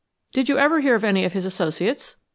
"Did you ever hear of any of his associates?"